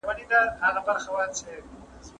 زما د اوښکې ـ اوښکې ژوند سره اشنا ملگري